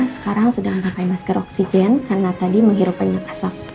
sekarang sedang pakai maskul oksigen karena tadi menghirup penyak asap